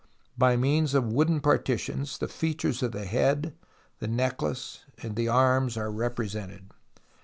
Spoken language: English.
By means of wooden partitions the features of the head, the necklace, the arms are represented.